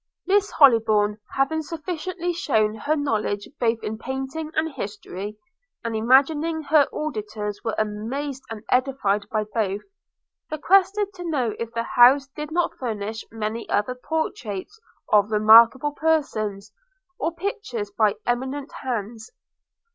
Miss Hollybourn, having sufficiently shewn her knowledge both in painting and history, and imagining her auditors were amazed and edified by both, requested to know if the house did not furnish many other portraits of remarkable persons, or pictures by eminent hands.